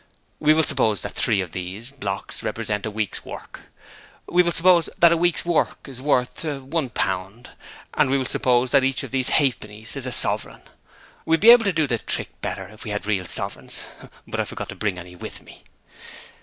We will suppose that three of these blocks represent a week's work. We will suppose that a week's work is worth one pound: and we will suppose that each of these ha'pennies is a sovereign. We'd be able to do the trick better if we had real sovereigns, but I forgot to bring any with me.'